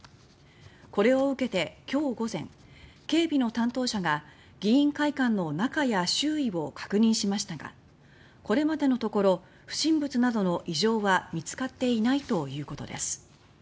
これを受けて、今日午前警備の担当者が議員会館の中や周囲を確認しましたがこれまでのところ不審物などの異常は見つかっていないということです。